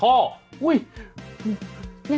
โอ้ย